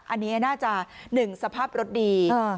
อันนี้น่าจะ๑สภาพรถดี